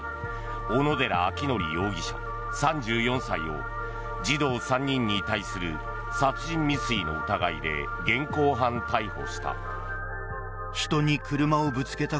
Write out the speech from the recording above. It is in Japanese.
小野寺章仁容疑者、３４歳を児童３人に対する殺人未遂の疑いで現行犯逮捕した。